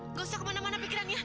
nggak usah ke mana mana pikirannya